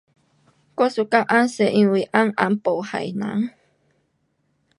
我喜欢红色因为红红不害人